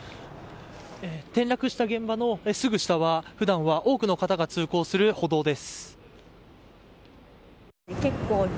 転落した現場のすぐ下は普段は多くの方が通行する歩道です。